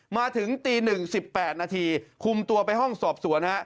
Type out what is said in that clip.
มาถึงตี๑๑๘นาทีคุมตัวไปห้องสอบสวนฮะ